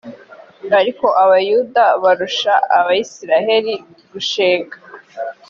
ariko abayuda barusha abisirayeli gushega